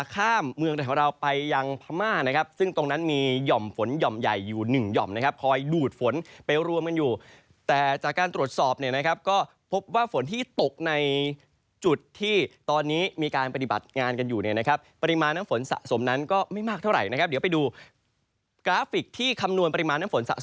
ข้ามเมืองไทยของเราไปยังพม่านะครับซึ่งตรงนั้นมีหย่อมฝนหย่อมใหญ่อยู่หนึ่งหย่อมนะครับคอยดูดฝนไปรวมกันอยู่แต่จากการตรวจสอบเนี่ยนะครับก็พบว่าฝนที่ตกในจุดที่ตอนนี้มีการปฏิบัติงานกันอยู่เนี่ยนะครับปริมาณน้ำฝนสะสมนั้นก็ไม่มากเท่าไหร่นะครับเดี๋ยวไปดูกราฟิกที่คำนวณปริมาณน้ำฝนสะ